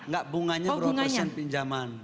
gak bunganya berapa persen pinjaman